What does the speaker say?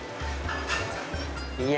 はい。